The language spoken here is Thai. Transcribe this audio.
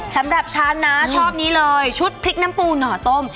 สำหรับฉันนะชอบนี้เลยชุดพริกน้ำปูหน่อต้ม